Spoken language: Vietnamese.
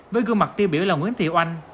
với gương mặt tiêu biểu là nguyễn thị oanh